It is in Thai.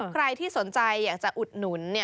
ใครที่สนใจอยากจะอุดหนุน